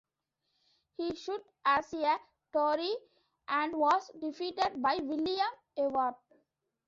He stood as a tory, and was defeated by William Ewart.